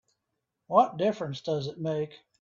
What difference does that make?